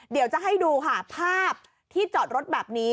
เดี๋ยวจะให้ดูค่ะภาพที่จอดรถแบบนี้